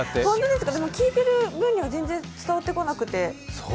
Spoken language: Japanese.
でも、聞いている分には全然伝わってこなくて。